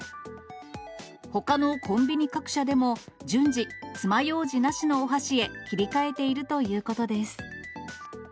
ほかのコンビニ各社でも、順次、つまようじなしのお箸へ切り替えているということです。